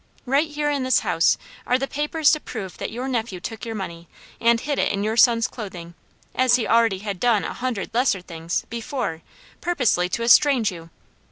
Right here in this house are the papers to prove that your nephew took your money, and hid it in your son's clothing, as he already had done a hundred lesser things, before, purposely to estrange you.